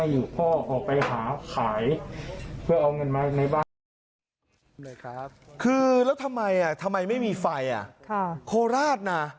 แล้วทำไมไม่มีไฟเช่นโคราชนะ